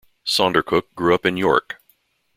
Saundercook grew up in York.